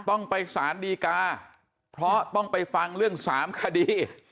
ต้องไปสารดีกาเพราะต้องไปฟังเรื่อง๓คดี